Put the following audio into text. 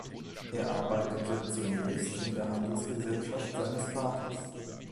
Er arbeitete zunächst in der Handelsgesellschaft seines Vaters.